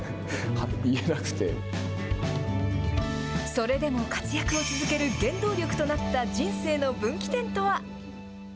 それでも活躍を続ける原動力となった人生の分岐点とは。